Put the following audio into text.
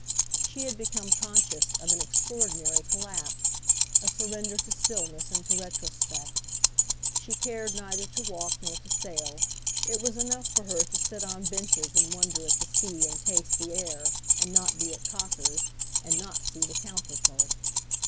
She had become conscious of an extraordinary collapse, a surrender to stillness and to retrospect. She cared neither to walk nor to sail; it was enough for her to sit on benches and wonder at the sea and taste the air and not be at Cocker's and not see the counter clerk.